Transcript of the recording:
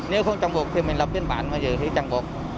nếu không chặn buộc thì mình lập biên bản chặn buộc